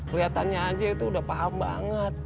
kelihatannya aja itu udah paham banget